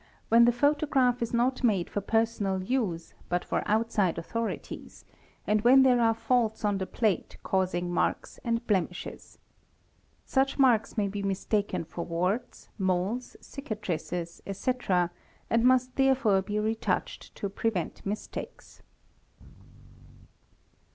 when the photograph is not made for personal use but for outside authorities and when there are faults on the plate causing marks and blemishes. Such marks may be mistaken for warts, moles, cicatrices, ' etc., and must therefore be retouched to prevent mistakes.